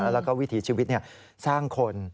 แล้วก็วิถีชีวิตสร้างคน